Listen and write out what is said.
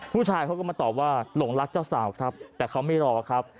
ผู้ชายเขาก็มาตอบว่าหลงรักเจ้าสาวครับแต่เขาไม่รอครับ